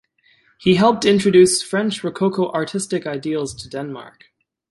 He helped introduce French Rococo artistic ideals to Denmark.